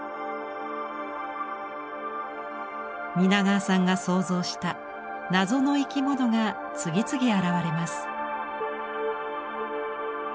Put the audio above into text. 皆川さんが創造した謎の生き物が次々現れます。